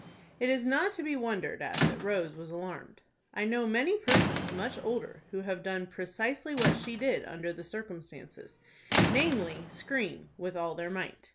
It is not to be wondered at that Rose was alarmed. I know many persons much older who would have done precisely what she did under the circumstances, namely, scream with all their might.